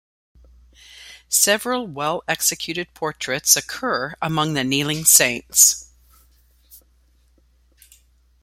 Several well-executed portraits occur among the kneeling saints.